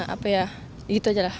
apa ya itu aja lah